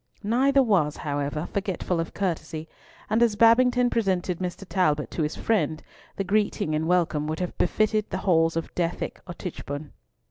Neither was, however, forgetful of courtesy, and as Babington presented Mr. Talbot to his friend, the greeting and welcome would have befitted the halls of Dethick or Tichborne.